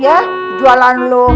iya jualan lo